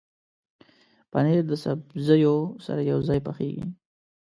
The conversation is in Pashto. پنېر د سبزیو سره یوځای پخېږي.